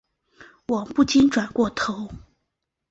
我不禁转过头